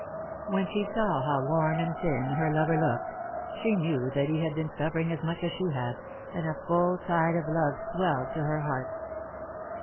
When she saw how worn and thin her lover looked, she knew that he had been suffering as much as she had, and a full tide of love swelled to her heart.